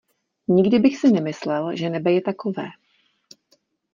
Nikdy bych si nemyslel, že nebe je takové.